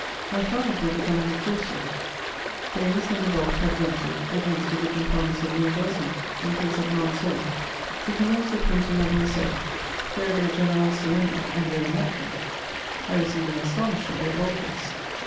My funds were becoming exhausted: Baylis and Deboffe had ventured, against a written promise of reimbursement in case of non sale, to commence the printing of the Essai; there their generosity ended, and very naturally; I was even astonished at their boldness.